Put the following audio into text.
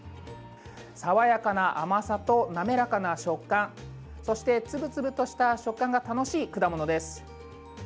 爽やかな甘さと滑らかな食感そして粒々とした食感が楽しい果物です。